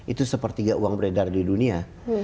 itu sepertiga uang beredar di dunia